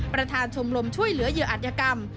ประธานชมรมช่วยเหลือเหยื่ออัธยกรรม